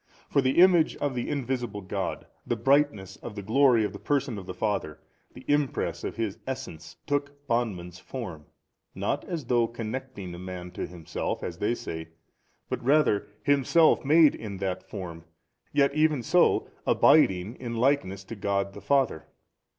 For the Image of the Invisible God, the Brightness of the glory of the Person of the Father, the Impress of His Essence, took bondman's form, not as though connecting a man to Himself, as they say, but rather Himself made in that form, yet even so abiding in likeness to God the Father.